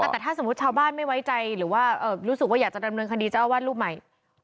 แต่ถ้าสมมุติชาวบ้านไม่ไว้ใจหรือว่ารู้สึกว่าอยากจะดำเนินคดีเจ้าอาวาสรูปใหม่